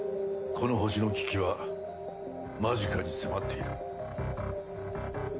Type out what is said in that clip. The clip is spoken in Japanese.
この星の危機は間近に迫っている。